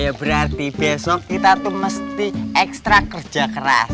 ngerti besok kita tuh mesti ekstra kerja keras